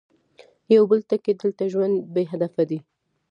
يو بل ټکی، دلته ژوند بې هدفه دی.